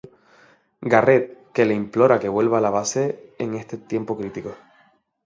Garret, que le implora que vuelva a la base en este tiempo crítico.